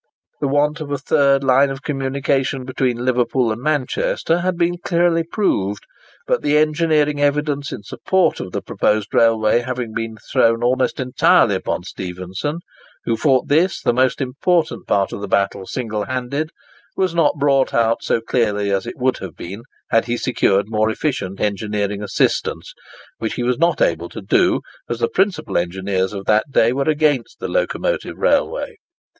The want of a third line of communication between Liverpool and Manchester had been clearly proved; but the engineering evidence in support of the proposed railway having been thrown almost entirely upon Stephenson, who fought this, the most important part of the battle, single handed, was not brought out so clearly as it would have been, had he secured more efficient engineering assistance—which he was not able to do, as the principal engineers of that day were against the locomotive railway.